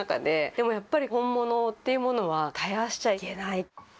でもやっぱり本物っていうものは絶やしちゃいけない。